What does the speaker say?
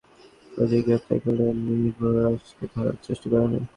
কিন্তু পুলিশ তখন তাঁর তিন সহযোগীকে গ্রেপ্তার করলেও নিবরাসকে ধরার চেষ্টা করেনি।